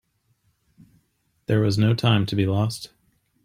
There was no time to be lost.